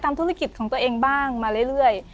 ธุรกิจของตัวเองบ้างมาเรื่อย